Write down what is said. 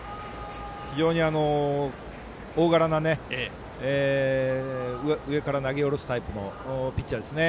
非常に大柄な上から投げ下ろすタイプのピッチャーですね。